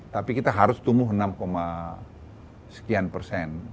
tapi kita harus tumbuh enam sekian persen